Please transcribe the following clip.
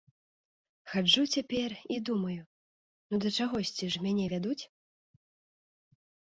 Хаджу цяпер і думаю, ну да чагосьці ж мяне вядуць.